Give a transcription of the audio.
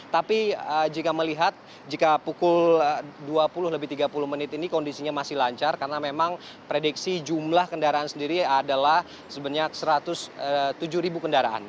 tapi jika melihat jika pukul dua puluh lebih tiga puluh menit ini kondisinya masih lancar karena memang prediksi jumlah kendaraan sendiri adalah sebenarnya satu ratus tujuh ribu kendaraan